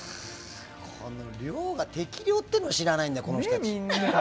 量が適量っていうのを知らないんだよ、この人たち。